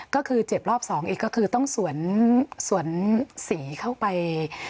ก็คือเจ็บรอบสองอีกก็คือต้องสวนสีเข้าไป